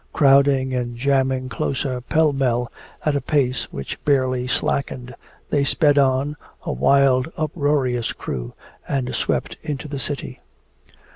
Crowding and jamming closer, pell mell, at a pace which barely slackened, they sped on, a wild uproarious crew, and swept into the city.